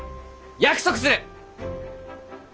約束する！